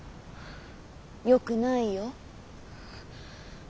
よくないよ。